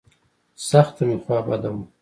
سخته مې خوا بده وه.